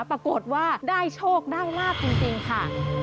ปรากฏว่าได้โชคได้ลาบจริงค่ะ